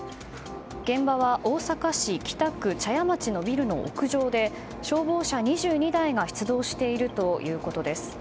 現場は大阪市北区茶屋町のビルの屋上で、消防車２２台が出動しているということです。